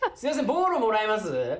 ボーロもらえます？